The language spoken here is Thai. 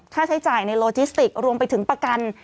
ค่าใช้จ่ายในโลจิสติกรวมไปถึงประกัน